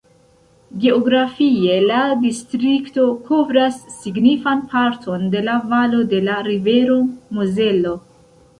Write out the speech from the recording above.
Geografie la distrikto kovras signifan parton de la valo de la rivero Mozelo.